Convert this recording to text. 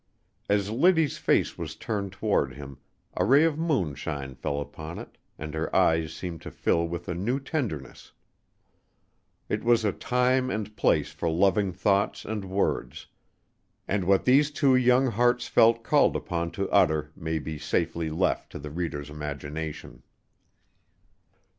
As Liddy's face was turned toward him, a ray of moonshine fell upon it, and her eyes seemed to fill with a new tenderness. It was a time and place for loving thoughts and words, and what these two young hearts felt called upon to utter may be safely left to the reader's imagination.